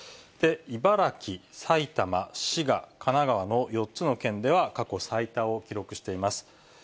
茨城、埼玉、滋賀、神奈川の４つの県では過去最多を記録しています。